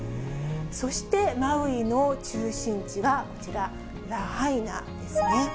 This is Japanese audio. そしてマウイの中心地はこちら、ラハイナですね。